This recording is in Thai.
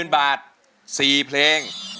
๖๐๐๐๐บาท๔เพลง